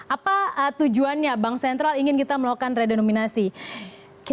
apa tujuannya bank sentral ingin kita melakukan redenominasi